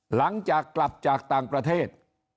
หลังจากกลับจากต่างประเทศ